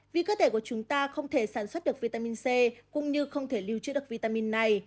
vì cơ thể của chúng ta không thể sản xuất được vitamin c cũng như không thể lưu trữ được vitamin này